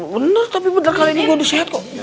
bener tapi bener kali ini gua udah sehat kok